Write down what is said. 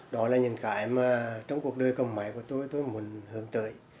đó là những cái mà trong cuộc đời cộng máy của tôi tôi muốn hướng tới